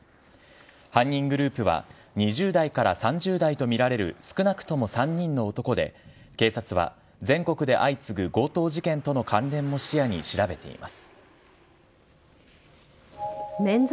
犯人グループは２０代から３０代と見られる少なくとも３人の男で、警察は全国で相次ぐ強盗事件との関連も視野に調べています。